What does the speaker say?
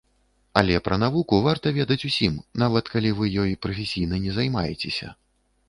Але пра навуку варта ведаць усім, нават калі вы ёй прафесійна не займаецеся.